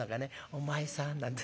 『お前さん』なんて。